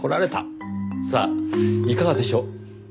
さあいかがでしょう？